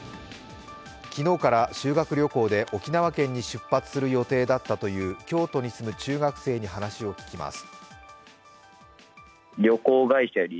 昨日から修学旅行で沖縄県に出発する予定だったという京都に住む中学生に話を聞きます。